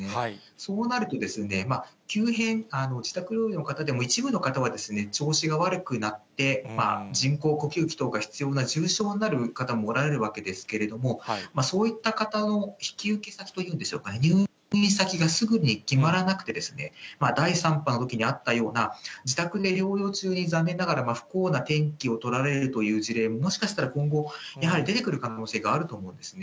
そうなると、急変、自宅療養の方でも一部の方は調子が悪くなって、人工呼吸器等が必要な重症になる方がおられるわけですけれども、そういった方の引き受け先というんでしょうか、入院先がすぐに決まらなくて、第３波のときにあったような、自宅で療養中に残念ながら不幸な転機をとられるという事例ももしかしたら今後、やはり出てくる可能性があると思うんですね。